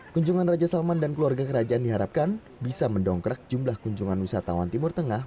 kunjungan raja salman dan keluarga kerajaan diharapkan bisa mendongkrak jumlah kunjungan wisatawan timur tengah